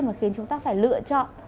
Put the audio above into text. mà khiến chúng ta phải lựa chọn